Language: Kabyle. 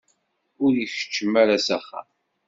Ur ikeččem ara s axxam.